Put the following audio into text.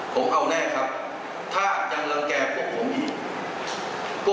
ผมเอาแน่ครับถ้ายังรังแก่พวกผมอยู่